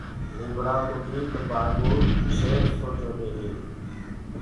نيٚڀڙآ ڪو ايڪ پآڳو ڇي سو چوڏي هي